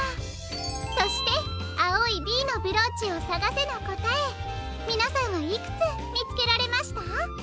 そして「あおい『Ｂ』のブローチをさがせ！」のこたえみなさんはいくつみつけられました？